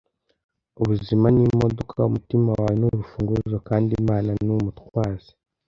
ubuzima ni imodoka, umutima wawe nurufunguzo kandi imana ni umutwazi.